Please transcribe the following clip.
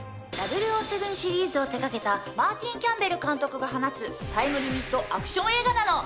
『００７』シリーズを手掛けたマーティン・キャンベル監督が放つタイムリミットアクション映画なの！